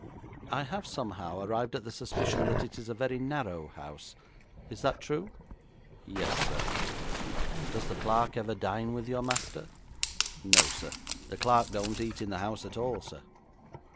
'I have somehow arrived at the suspicion that it is a very narrow house. Is that true?' 'Yes, sir.' 'Does the clerk ever dine with your master?' 'No, sir. The clerk don't eat in the house at all, sir.'